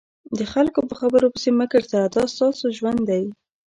د خلکو په خبرو پسې مه ګرځه دا ستاسو ژوند دی.